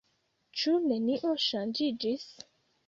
Ĉu nenio ŝanĝiĝis?